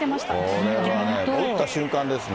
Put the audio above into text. これはね、打った瞬間ですね。